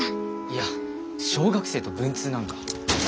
いや小学生と文通なんか。